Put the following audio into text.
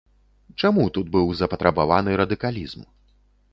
Чаму тут быў запатрабаваны радыкалізм?